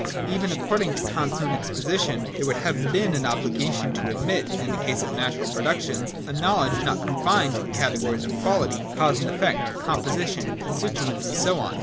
Even according to Kant's own exposition, there would have been an obligation to admit, in the case of natural productions, a knowledge not confined to the categories of quality, cause and effect, composition, constituents, and so on.